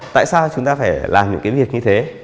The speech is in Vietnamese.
tại sao chúng ta phải làm những cái việc như thế